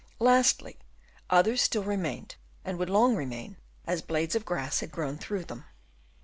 Lastly, others still remained and would long remain, as blades of grass had grown through them.